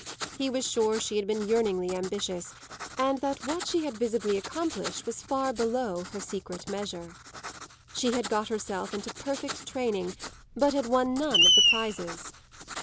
He was sure she had been yearningly ambitious and that what she had visibly accomplished was far below her secret measure. She had got herself into perfect training, but had won none of the prizes.